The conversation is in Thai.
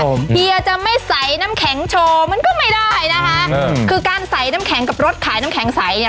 ผมเฮียจะไม่ใส่น้ำแข็งโชว์มันก็ไม่ได้นะคะอืมคือการใส่น้ำแข็งกับรถขายน้ำแข็งใสเนี่ย